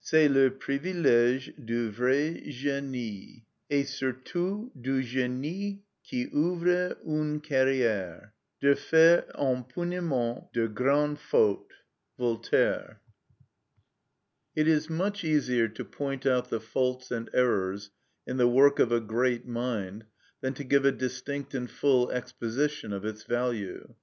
C'est le privilège du vrai génie, et surtout du génie qui ouvre une carrière, de faire impunément de grandes fautes.—Voltaire. It is much easier to point out the faults and errors in the work of a great mind than to give a distinct and full exposition of its value.